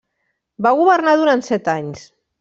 Va governar durant set anys.